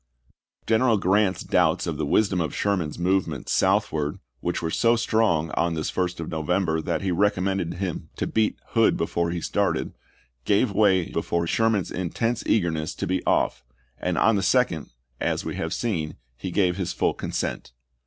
General Grant's doubts of the wisdom of Sher man's movement southward, which were so strong on the 1st of November that he recommended him to beat Hood before he started, gave way before Sherman's intense eagerness to be off, and on the 2d, as we have seen, he gave his full consent.